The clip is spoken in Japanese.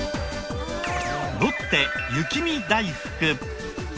ロッテ雪見だいふく。